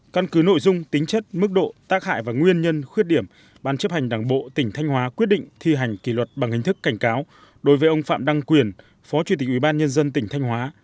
căn cứ nội dung tính chất mức độ tác hại và nguyên nhân khuyết điểm ban chấp hành đảng bộ tỉnh thanh hóa quyết định thi hành kỷ luật bằng hình thức cảnh cáo đối với ông phạm đăng quyền phó chủ tịch ubnd tỉnh thanh hóa